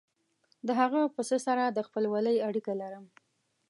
د هغه پسه سره د خپلوۍ اړیکه لرم.